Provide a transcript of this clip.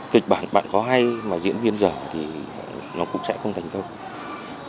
kịch bản bạn có hay mà diễn viên dở thì nó cũng sẽ không thành công